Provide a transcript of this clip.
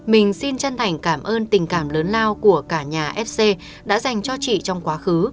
mình xin chân thành cảm ơn tình cảm lớn lao của cả nhà fc đã dành cho chị trong quá khứ